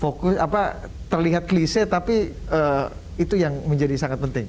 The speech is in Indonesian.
fokus apa terlihat klise tapi itu yang menjadi sangat penting